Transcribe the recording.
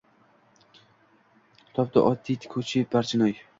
Topdi: oddiy tikuvchi Barchinoy.